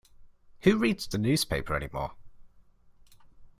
Who reads the newspaper anymore?